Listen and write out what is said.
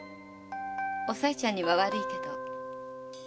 おさいちゃんには悪いけど。